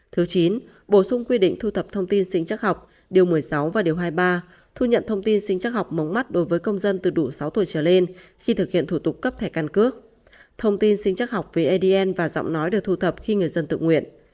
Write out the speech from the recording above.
thứ chín bổ sung quy định thu thập thông tin sinh chắc học điều một mươi sáu và điều hai mươi ba thu nhận thông tin sinh chắc học mống mắt đối với công dân từ đủ sáu tuổi trở lên khi thực hiện thủ tục cấp thẻ căn cước thông tin sinh chắc học về adn và giọng nói được thu thập khi người dân tự nguyện